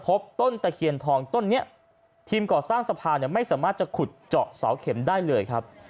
พบต้นตะเคียนทองต้นนี้ทีมก่อสร้างสะพานเนี่ยไม่สามารถจะขุดเจาะเสาเข็มได้เลยครับ